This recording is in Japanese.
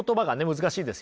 難しいですよね。